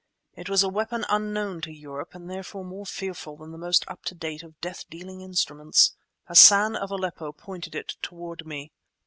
It was a weapon unknown to Europe and therefore more fearful than the most up to date of death dealing instruments. Hassan of Aleppo pointed it toward me.